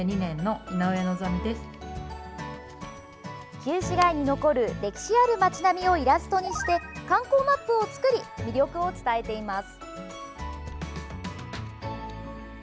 旧市街に残る歴史ある街並みをイラストにして観光マップを作り魅力を伝えています。